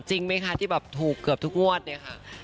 จริงไหมคะที่แบบถูกเกือบทุกงวดเนี่ยค่ะ